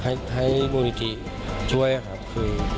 จะให้มูลนิธีช่วยครับ